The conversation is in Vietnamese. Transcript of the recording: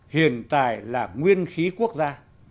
hiền tài là nguyên khí quốc gia